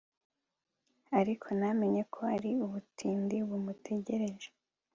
ariko ntamenye ko ari ubutindi bumutegereje